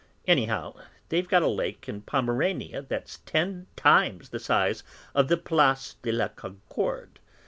Anyhow they've got a lake in Pomerania that's ten times the size of the Place de la Concorde.